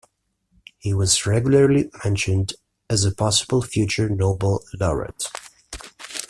He was regularly mentioned as a possible future Nobel laureate.